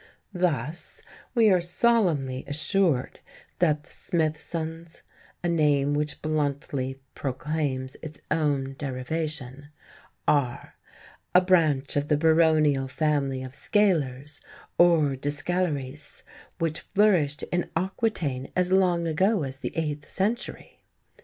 Thus we are solemnly assured that the Smithsons (a name which bluntly proclaims its own derivation) are "a branch of the baronial family of Scalers, or De Scallariis, which flourished in Aquitaine as long ago as the eighth century."